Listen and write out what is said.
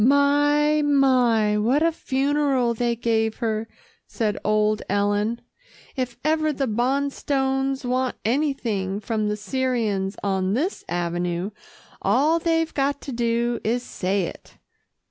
"My! my! what a funeral they gave her," said old Ellen. "If ever the Bonstones want anything from the Syrians on this avenue, all they've got to do is to say it."